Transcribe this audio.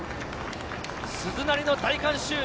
鈴なりの大観衆。